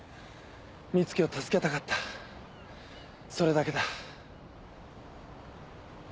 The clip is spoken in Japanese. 美月を助けたかったそれだけだ。